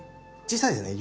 小さいですね